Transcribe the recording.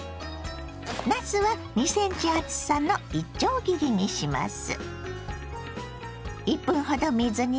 なすは２ｃｍ厚さのいちょう切りにします。